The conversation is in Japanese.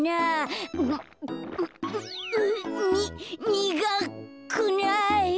ににがくない。